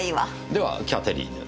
ではキャテリーヌ。